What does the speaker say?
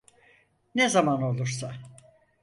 Ne zaman olursa.